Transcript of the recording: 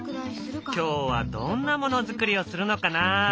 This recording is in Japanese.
今日はどんなものづくりをするのかな。